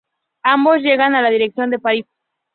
Ambos llegan a la dirección de París.